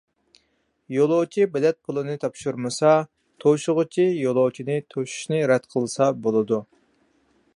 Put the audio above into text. يولۇچى بېلەت پۇلىنى تاپشۇرمىسا، توشۇغۇچى يولۇچىنى توشۇشنى رەت قىلسا بولىدۇ.